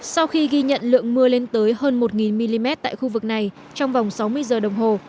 sau khi ghi nhận lượng mưa lên tới hơn một mm tại khu vực này trong vòng sáu mươi giờ đồng hồ